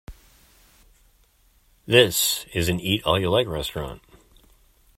This is an Eat All You Like restaurant.